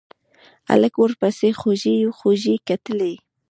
هلک ورپسې خوږې خوږې کتلې.